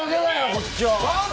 こっちは！